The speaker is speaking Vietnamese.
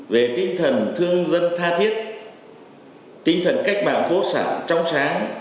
về tinh thần thương dân tha thiết tinh thần cách mạng vô sản trong sáng